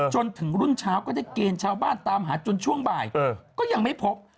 จนถึงรุ่นเช้าก็ได้เกณฑ์ชาวบ้านตามหาจนช่วงบ่ายก็ยังไม่พบ